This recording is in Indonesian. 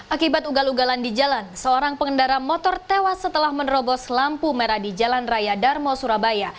akibat ugal ugalan di jalan seorang pengendara motor tewas setelah menerobos lampu merah di jalan raya darmo surabaya